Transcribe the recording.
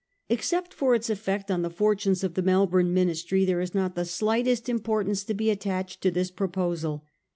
Except for its effect on the fortunes of the Melbourne Ministry there is not the slightest importance to be attached to this proposal.